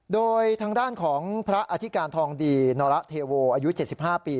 โดยทางด้านของพระอธิการทองดีนรเทโวอายุเจ็ดสิบห้าปี